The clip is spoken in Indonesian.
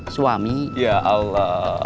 suami ya allah